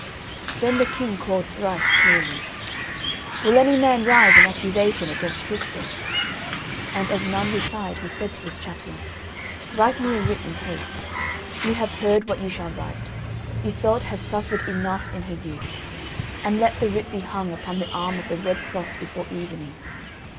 Then the King called thrice clearly: "Will any man rise in accusation against Tristan?" And as none replied, he said to his chaplain: "Write me a writ in haste. You have heard what you shall write. Iseult has suffered enough in her youth. And let the writ be hung upon the arm of the red cross before evening.